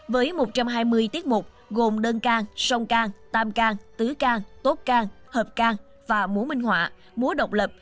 với một trăm hai mươi tiết mục gồm đơn can song can tam can tứ can tốt can hợp can và múa minh họa múa độc lập